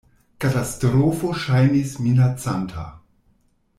Katastrofo ŝajnis minacanta.